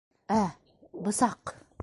Ә... бысаҡ!